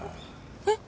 えっ？